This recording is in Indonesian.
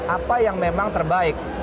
apa yang memang terbaik